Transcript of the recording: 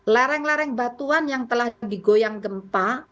lereng lereng batuan yang telah digoyang gempa